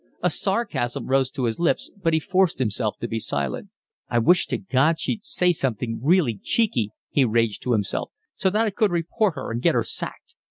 A sarcasm rose to his lips, but he forced himself to be silent. "I wish to God she'd say something really cheeky," he raged to himself, "so that I could report her and get her sacked.